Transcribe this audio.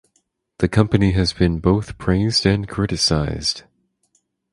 The company has been both praised and criticised.